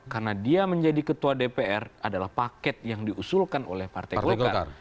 karena dia menjadi ketua dpr adalah paket yang diusulkan oleh partai golkar